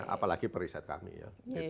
apalagi periset kami ya